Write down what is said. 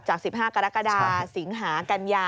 ๑๕กรกฎาสิงหากัญญา